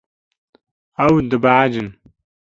Ew dibehecin.